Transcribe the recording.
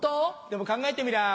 でも考えてみりゃ